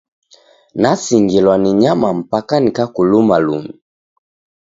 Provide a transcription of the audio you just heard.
Nasingilwa ni nyama mpaka nikakuluma lumi!